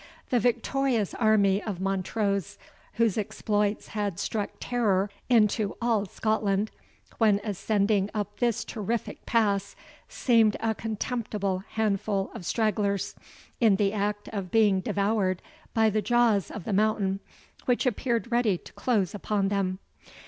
The victorious army of Montrose, whose exploits had struck terror into all Scotland, when ascending up this terrific pass, seemed a contemptible handful of stragglers, in the act of being devoured by the jaws of the mountain, which appeared ready to close upon them.